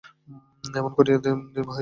এমনি করিয়া দিন বহিয়া যাইতেছিল।